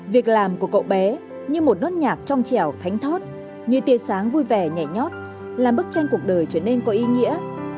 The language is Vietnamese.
việc làm của cậu bé như một nốt nhạc trong trèo thánh thót như tia sáng vui vẻ nhảy nhót làm bức tranh cuộc đời trở nên có ý nghĩa